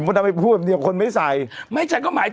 พ่อตำไปพูดเดี๋ยวคนไม่ใส่